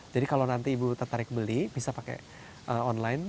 jadi kalau nanti ibu tertarik beli bisa pakai online